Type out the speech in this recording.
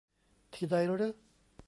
ที่ใดรึ ?